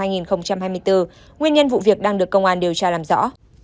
nguyên nhân vụ việc đang được công an điều tra làm rõ